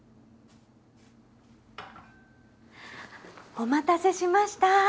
お待たせしました。